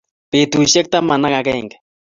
Petusyek taman ak agenge.